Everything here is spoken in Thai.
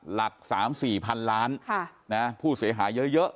หลัก๓๔พันล้านผู้เสียหายเยอะ